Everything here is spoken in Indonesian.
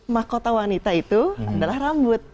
mahkota wanita itu adalah rambut